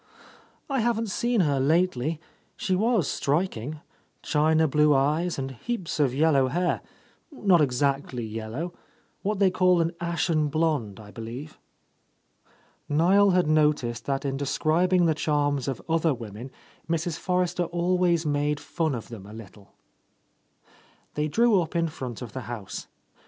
'' "I haven't seen her lately. She was striking, — china blue eyes and heaps of yellow hair, not exactly yellow, — ^what they call an ashen blond, I believe.'' Niel had noticed that in describing the charms of other women Mrs. Forrester always made fun of them a little. They drew up in front of the house.